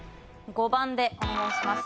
５番でお願いします。